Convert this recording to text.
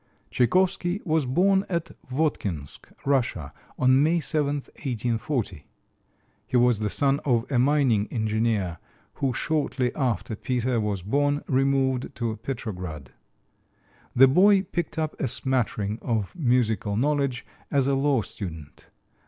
Tchaikovsky was born at Votkinsk, Russia, on May 7, 1840. He was the son of a mining engineer, who shortly after Peter was born removed to Petrograd. The boy picked up a smattering of musical knowledge as a law student.